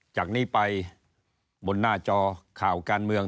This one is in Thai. จากนี้ไปบนหน้าจอข่าวการเมือง